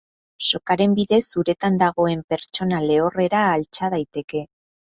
Sokaren bidez uretan dagoen pertsona lehorrera altxa daiteke.